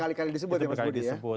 itu berkali kali disebut ya